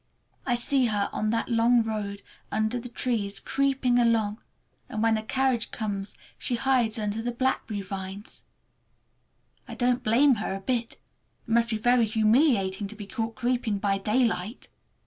I see her on that long road under the trees, creeping along, and when a carriage comes she hides under the blackberry vines. I don't blame her a bit. It must be very humiliating to be caught creeping by daylight!